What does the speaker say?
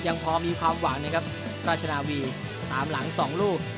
ยังพอมีความหวังนะครับราชนาวีตามหลังสองลูก